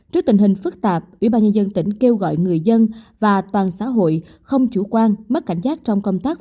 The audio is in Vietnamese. trước tình hình phức tạp ủy ban nhân dân tỉnh kêu gọi người dân và toàn xã hội không chủ quan mất cảnh giác trong công tác phòng